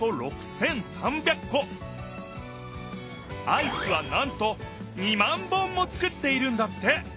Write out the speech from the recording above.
アイスはなんと２万本もつくっているんだって！